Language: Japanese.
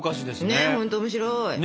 ねっ本当面白い！